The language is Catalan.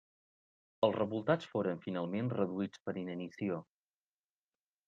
Els revoltats foren finalment reduïts per inanició.